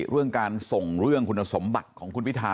เรื่องการส่งเรื่องคุณสมบัติของคุณพิทา